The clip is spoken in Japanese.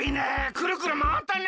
くるくるまわったね！